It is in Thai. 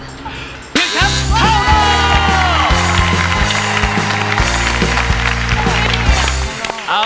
ถูกต้องครับ